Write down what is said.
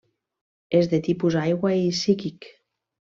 És de tipus aigua i psíquic.